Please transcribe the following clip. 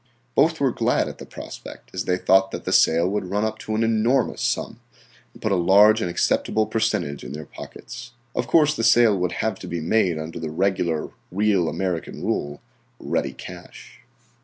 Both were glad at the prospect, as they thought that the sale would run up to an enormous sum and put a large and acceptable percentage in their pockets. Of course the sale would have to be made under the regular, real American rule, "ready cash."